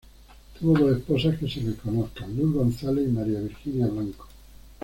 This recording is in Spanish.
Tuvo dos esposas que se le conozcan Luz González y María Virginia Blanco.